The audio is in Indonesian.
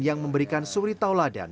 yang memberikan suri tauladan